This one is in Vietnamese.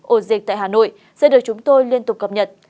ổ dịch tại hà nội sẽ được chúng tôi liên tục cập nhật